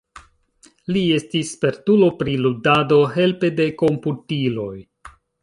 Li estis spertulo pri ludado helpe de komputiloj.